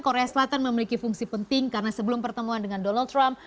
korea selatan memiliki fungsi penting karena sebelum pertemuan dengan donald trump